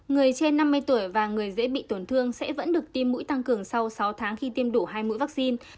người trên năm mươi tuổi và người dễ bị tổn thương sẽ vẫn được tiêm mũi tăng cường sau sáu tháng khi tiêm đủ hai mũi vaccine